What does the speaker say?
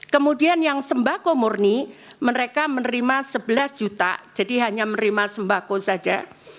kemudian yang sembako murni mereka menerima sebelas juta jadi hanya menerima sembako saja